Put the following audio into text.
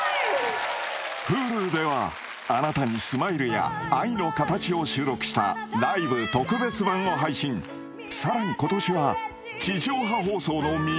Ｈｕｌｕでは『あなたにスマイル：）』や『アイノカタチ』を収録したライブ特別版を配信さらに今年は地上波放送の見逃し配信も